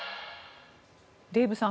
デーブさん